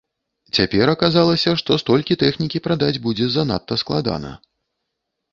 Цяпер аказалася, што столькі тэхнікі прадаць будзе занадта складана.